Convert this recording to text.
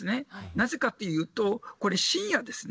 なぜかというとこれは深夜です。